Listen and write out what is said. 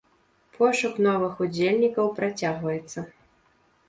Пошук новых удзельнікаў працягваецца.